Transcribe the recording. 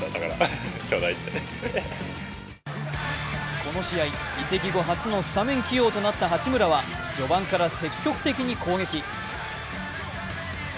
この試合、移籍後初のスタメン起用となった八村は、序盤から積極的に攻撃。